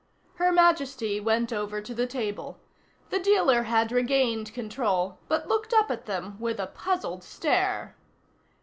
Her Majesty went over to the table. The dealer had regained control, but looked up at them with a puzzled stare.